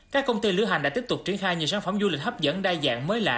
các công ty lữ hành đã tiếp tục triển khai nhiều sản phẩm du lịch hấp dẫn đa dạng mới lạ